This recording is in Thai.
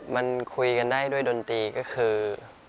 มันคุยกันได้ด้วยดนตรีก็คือ